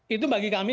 itu bagi kami